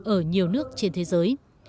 ở nhiều nước trên thế giới